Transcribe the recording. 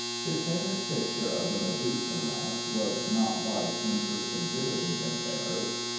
His famous picture of the "Medusa Raft" was not liked when first exhibited in Paris.